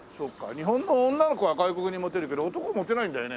日本の女の子は外国にモテるけど男モテないんだよね。